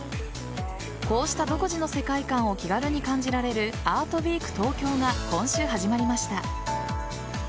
こうした独自の世界観を気軽に感じられるアートウィーク東京が今週始まりました。